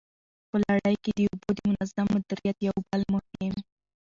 په لړۍ کي د اوبو د منظم مديريت يو بل مهم